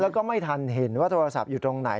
แล้วก็ไม่ทันเห็นว่าโทรศัพท์อยู่ตรงไหน